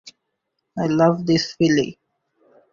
I love this filly.